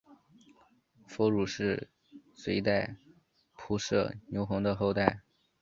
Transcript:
僧孺是隋代仆射牛弘的后代。